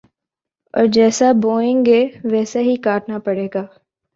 ، اور جیسا بوئیں گے ویسا ہی کاٹنا پڑے گا